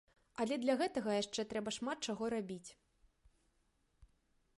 Але для гэтага яшчэ трэба шмат чаго рабіць.